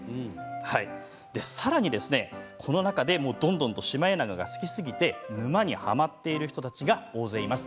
さらに、この中でシマエナガが好きすぎて沼にはまっている人たちが大勢います。